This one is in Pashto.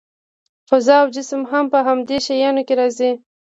فضا او جسم هم په همدې شیانو کې راځي.